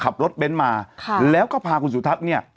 ขับรถเบ้นมาแล้วก็พาคุณสุทัพเนี่ย